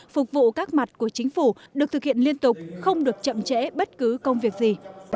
phục vụ các mặt của chính phủ được thực hiện liên tục không được chậm chẽ bất cứ công việc gì